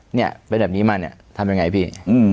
เนี่ยเป็นแบบนี้มาเนี่ยทำยังไงพี่